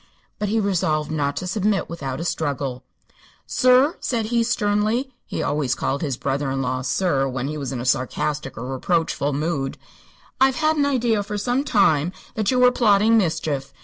But he resolved not to submit without a struggle. "Sir," said he, sternly he always called his brother in law "sir" when he was in a sarcastic or reproachful mood "I've had an idea for some time that you were plotting mischief.